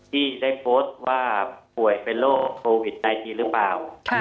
ที่ได้โพสต์ว่าป่วยเป็นโรคโควิด๑๙หรือเปล่า